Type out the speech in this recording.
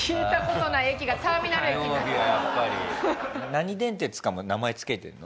何電鉄かも名前付けてるの？